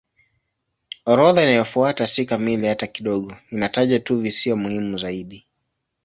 Orodha inayofuata si kamili hata kidogo; inataja tu visiwa muhimu zaidi.